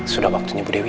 sudah waktunya bu dewi